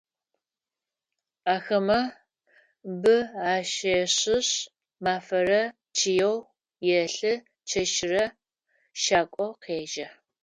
Ахэмэ бы ащешӏышъ, мафэрэ чъыеу елъы, чэщырэ шакӏо къежьэ.